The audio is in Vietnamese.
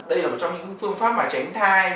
đây là một trong những phương pháp mà tránh thai